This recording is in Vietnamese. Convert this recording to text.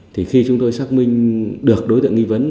thì khi chúng tôi xác minh được đối tượng nghi vấn